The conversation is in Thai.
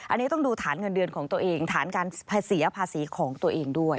อันนี้ต้องดูฐานเงินเดือนของตัวเองฐานการเสียภาษีของตัวเองด้วย